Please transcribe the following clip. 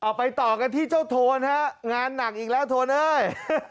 ไปต่อกันที่เจ้าโทนฮะงานหนักอีกแล้วโทนเอ้ย